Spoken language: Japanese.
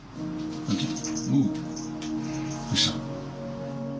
どうしたの？